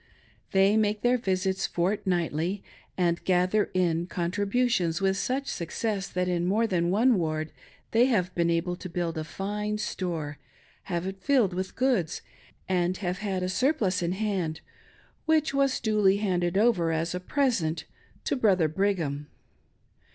They make their visits fortnightly, and gather in A PRESENT FOR BROTHER BRIGHAM. 463 contributions virith such success that in more than one ward they have been able to build a fine store, have filled it with goods, and have had a surplus in hand, which was duly handed over as a present to Brother Brigham.